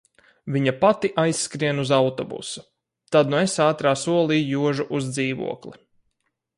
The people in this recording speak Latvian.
Viņa pati aizskrien uz autobusu. Tad nu es ātrā solī jožu uz dzīvokli.